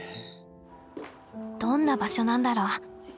どんな場所なんだろう？